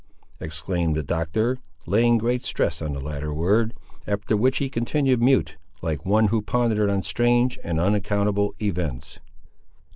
exclaimed the Doctor, laying great stress on the latter word; after which he continued mute, like one who pondered on strange and unaccountable events.